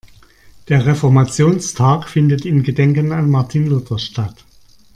Der Reformationstag findet in Gedenken an Martin Luther statt.